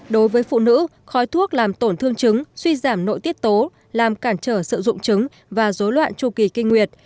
đối với phụ nữ khói thuốc làm tổn thương chứng suy giảm nội tiết tố làm cản trở sợ dụng chứng và dối loạn tru kỳ kinh nguyệt